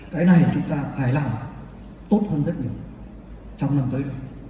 cái này chúng ta phải làm tốt hơn rất nhiều trong năm tới rồi